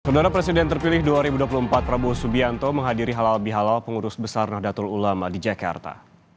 saudara presiden terpilih dua ribu dua puluh empat prabowo subianto menghadiri halal bihalal pengurus besar nahdlatul ulama di jakarta